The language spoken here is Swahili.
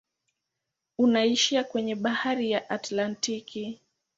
Unaishia kwenye bahari ya Atlantiki.